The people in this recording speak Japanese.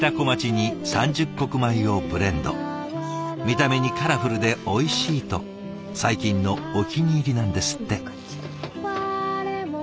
見た目にカラフルでおいしいと最近のお気に入りなんですって。